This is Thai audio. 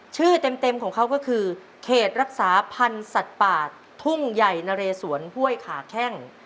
เต็มของเขาก็คือเขตรักษาพันธุ์สัตว์ป่าทุ่งใหญ่นะเรสวนห้วยขาแข้ง